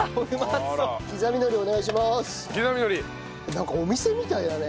なんかお店みたいだね。